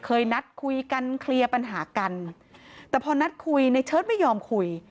นัดคุยกันเคลียร์ปัญหากันแต่พอนัดคุยในเชิดไม่ยอมคุย